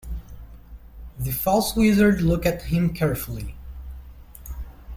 The false wizard looked at him carefully.